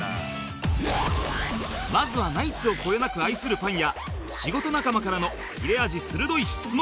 まずはナイツをこよなく愛するファンや仕事仲間からの切れ味鋭い質問